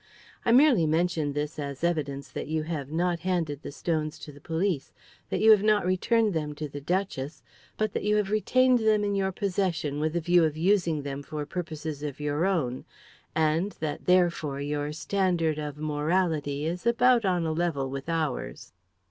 I merely mention this as evidence that you have not handed the stones to the police, that you have not returned them to the duchess, but that you have retained them in your possession with a view of using them for purposes of your own, and that, therefore, your standard of morality is about on a level with ours."